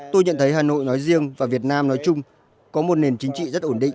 tôi nhận thấy hà nội nói riêng và việt nam nói chung có một nền chính trị rất ổn định